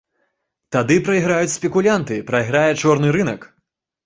Тады прайграюць спекулянты, прайграе чорны рынак.